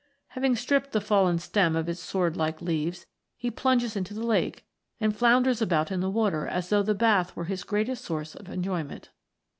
Having stript the fallen stem of its sword like leaves, he plunges in the lake, and flounders about in the water as though the bath were his greatest source of enjoy ment.